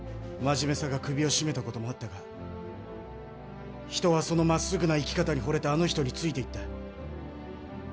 まじめさが首を絞めた事もあったが人はそのまっすぐな生き方にほれてあの人についていった。